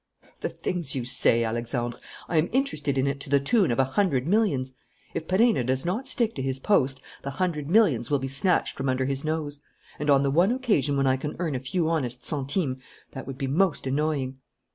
"The things you say, Alexandre! I am interested in it to the tune of a hundred millions. If Perenna does not stick to his post, the hundred millions will be snatched from under his nose. And, on the one occasion when I can earn a few honest centimes, that would be most annoying."